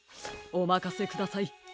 おまかせください。